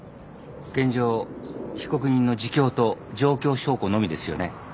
現状被告人の自供と状況証拠のみですよね。